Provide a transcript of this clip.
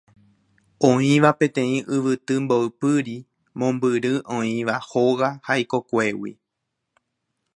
Oĩva peteĩ yvyty mboypýri mombyry oĩva hóga ha ikokuégui.